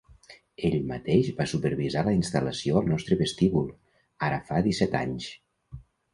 Ell mateix va supervisar la instal·lació al nostre vestíbul, ara fa disset anys.